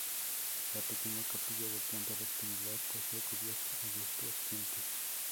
La pequeña capilla, de planta rectangular, posee cubierta a dos vertientes.